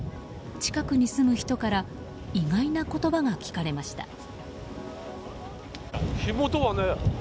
近くに住む人から意外な言葉が聞かれました。